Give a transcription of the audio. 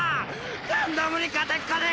ガンダムに勝てっこねぇ！